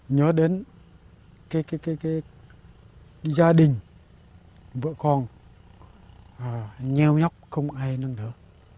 nhớ đến gia đình vợ con nheo nhóc không ai nữa